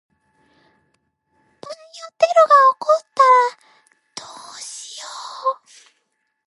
バイオテロが起こったらどうしよう。